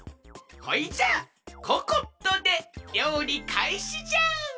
ほいじゃあココットでりょうりかいしじゃ！